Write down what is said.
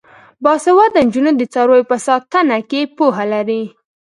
باسواده نجونې د څارویو په ساتنه کې پوهه لري.